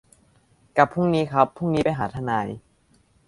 กลับพรุ่งนี้ครับ พรุ่งนี้ไปหาทนาย